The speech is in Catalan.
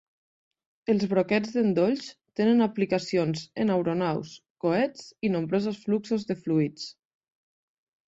Els broquets d'endolls tenen aplicacions en aeronaus, coets i nombrosos fluxos de fluids.